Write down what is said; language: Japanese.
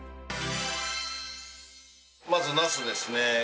まずナスですね。